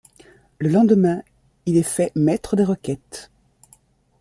Le lendemain, il est fait maître des requêtes.